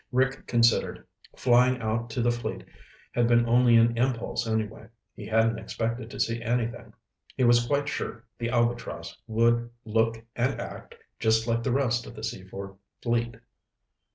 Rick considered. Flying out to the fleet had been only an impulse anyway; he hadn't expected to see anything. He was quite sure the Albatross would look and act just like the rest of the Seaford fleet.